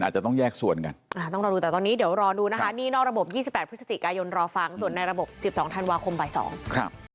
จะแสดงหนี้ในระบบทั้งหมด